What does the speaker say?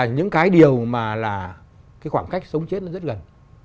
những cái điều mà là khoảng cách sống chết rất gần